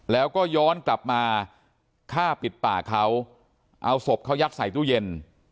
แล้วก็ย้อนกลับมาฆ่าปิดปากเขาเอาศพเขายัดใส่ตู้เย็น